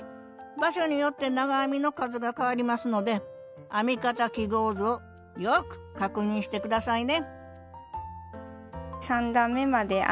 場所によって長編みの数が変わりますので編み方記号図をよく確認して下さいね